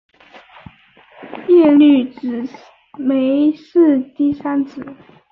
耶律只没是第三子。